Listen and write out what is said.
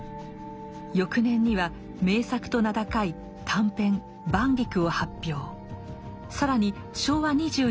翌年には名作と名高い短編「晩菊」を発表。